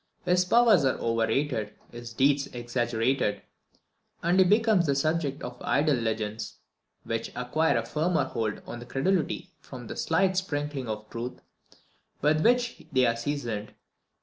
His powers are overrated, his deeds exaggerated, and he becomes the subject of idle legends, which acquire a firmer hold on credulity from the slight sprinkling of truth with which they are seasoned.